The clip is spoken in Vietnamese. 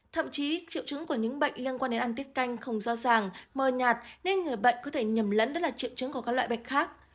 thậm chí triệu chứng của những bệnh liên quan đến ăn tiết canh không rõ ràng mờ nhạt nên người bệnh có thể nhầm lẫn đó là triệu chứng của các loại bệnh khác